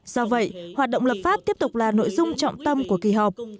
do vậy hoạt động lập pháp tiếp tục là nội dung trọng tâm của kỳ họp